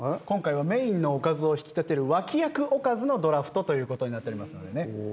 今回はメインのおかずを引き立てる脇役おかずのドラフトという事になっておりますのでね。